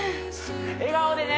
笑顔でね